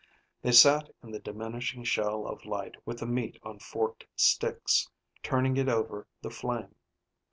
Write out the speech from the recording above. They sat in the diminishing shell of light with the meat on forked sticks, turning it over the flame.